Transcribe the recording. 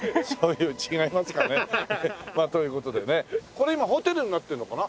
これ今ホテルになってるのかな？